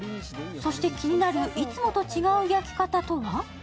そして、気になるいつもと違う焼き方とは？